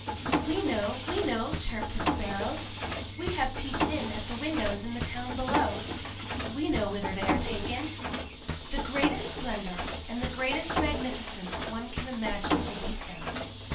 "We know! we know!" chirped the Sparrows. "We have peeped in at the windows in the town below! We know whither they are taken! The greatest splendor and the greatest magnificence one can imagine await them.